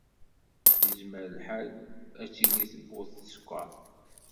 Yezmer lḥal ad tili tewwurt teskeṛ.